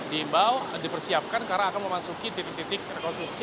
diimbau dipersiapkan karena akan memasuki titik titik rekonstruksi